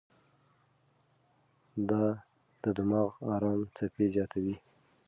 دا د دماغ ارام څپې زیاتوي.